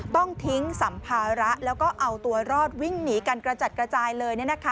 ต้องทิ้งสัมภาระแล้วก็เอาตัวรอดวิ่งหนีกันกระจัดกระจายเลย